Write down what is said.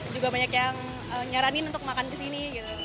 juga banyak yang nyaranin untuk makan ke sini